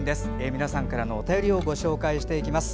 皆さんからのお便りをご紹介していきます。